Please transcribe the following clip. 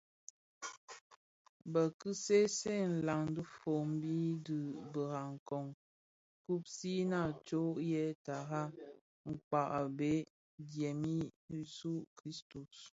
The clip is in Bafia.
Bi ki seesee nlaň dhifombi di birakong kpusigha tsom yè tara kpag a bhëg dièm i Yesu Kristu,